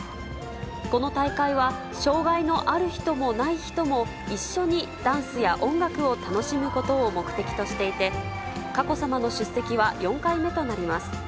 この大会は、障がいのある人もない人も、一緒にダンスや音楽を楽しむことを目的としていて、佳子さまの出席は４回目となります。